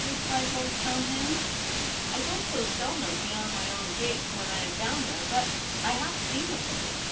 replied Lord Stonehenge. 'I go so seldom beyond my own gates when I am down there — but I have seen the place.